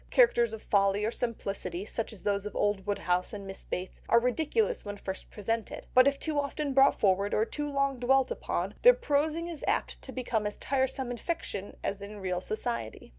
Characters of folly or simplicity such as those of old Woodhouse and Miss Bates, are ridiculous when first presented, but if too often brought forward, or too long dwelt upon, their prosing is apt to become as tiresome in fiction as in real society."